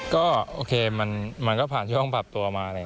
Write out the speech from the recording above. ก็โอเคมันก็ผ่านช่วงปรับตัวมา